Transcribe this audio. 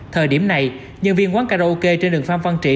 thời điểm này nhân viên quán karaoke trên đường phan văn trị